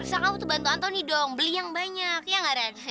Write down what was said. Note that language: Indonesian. di sarusa kamu tuh bantu anthony dong beli yang banyak ya nggak ren